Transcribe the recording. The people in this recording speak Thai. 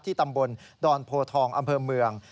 ตำบลดอนโพทองอำเภอเมือง